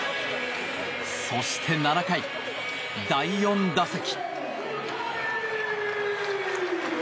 そして７回、第４打席。